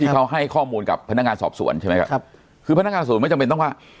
เขาให้ข้อมูลกับพนักงานสอบสวนใช่ไหมครับครับคือพนักงานสวนไม่จำเป็นต้องว่า